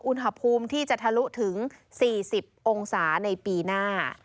อุณหภูมิที่จะทะลุถึง๔๐องศาในปีหน้า